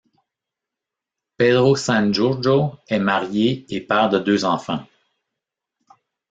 Pedro Sanjurjo est marié et père de deux enfants.